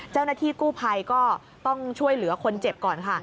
เจ้าหน้าที่กู้ภัยก็ต้องช่วยเหลือคนเจ็บก่อนค่ะ